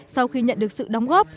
sau khi nhận được sự đóng góp